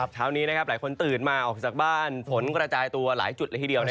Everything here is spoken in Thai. เช้านี้หลายคนตื่นมาออกจากบ้านฝนกระจายตัวหลายจุดเลยทีเดียว